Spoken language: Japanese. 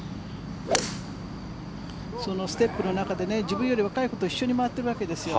そのステップの中で自分より若い子と一緒に回ってるわけですよ。